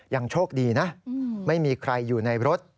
ยังโชคดีนะไม่มีใครอยู่ในรถ